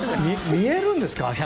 見えるんですか？